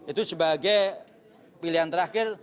itu sebagai pilihan terakhir